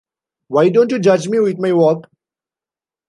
Why don't you judge me with my work?